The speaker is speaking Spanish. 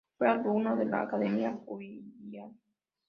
Fue alumno de la Academia Juilliard.